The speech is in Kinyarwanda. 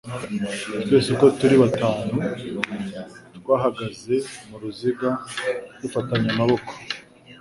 Twese uko turi batanu twahagaze muruziga dufatanye amaboko